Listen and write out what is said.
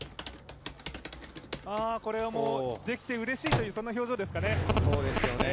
これはもう、できてうれしいという表情ですかね。